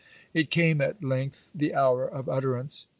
It came at length, the hour of utterance.